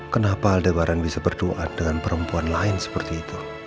kenapa aldebaran bisa berduaan dengan perempuan lain seperti itu